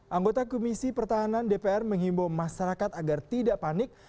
anggota komisi pertahanan dpr menghimbau masyarakat agar tidak panik